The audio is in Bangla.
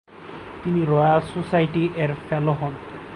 তিনি রয়্যাল সোসাইটি এর ফেলো হন।